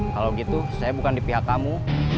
kalau gitu saya bukan di pihak kamu